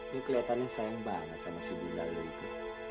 ini kelihatannya sayang banget sama si bunda lu itu